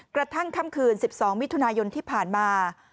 กระทั่งค่ำคืน๑๒วิทยุทธิ์ที่ผ่านมา